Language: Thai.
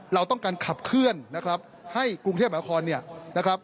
เราต้องการขับเคลื่อนให้กรุงเทพโมงคล